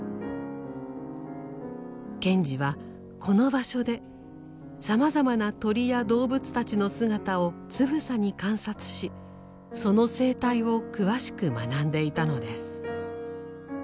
賢治はこの場所でさまざまな鳥や動物たちの姿をつぶさに観察しその生態を詳しく学んでいたのです。